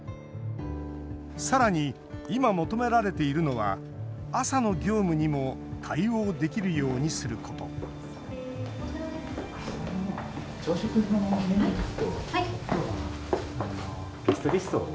さらに今、求められているのは朝の業務にも対応できるようにすることご朝食のメニュー。